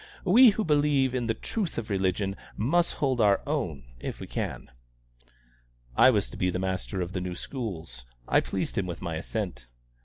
We, who believe in the truth of religion, must hold our own if we can." I was to be the master of the new schools. I pleased him with my assent.